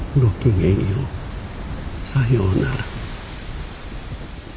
さようなら。